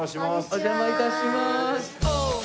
お邪魔致します。